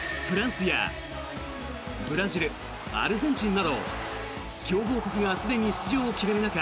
フランスやブラジル、アルゼンチンなど強豪国がすでに出場を決める